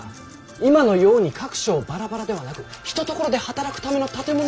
今のように各省バラバラではなく一ところで働くための建物も入り用だ。